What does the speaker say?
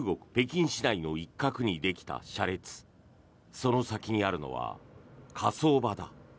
その先にあるのは火葬場だ。